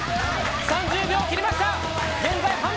３０秒を切りました。